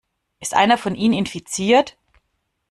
Ist einer von ihnen infiziert?